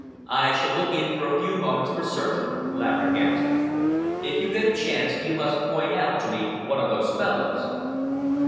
"I shall look in for a few moments, for certain," Laverick answered. "If you get a chance you must point out to me one of those fellows."